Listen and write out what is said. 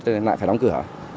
thì lại phải đóng cửa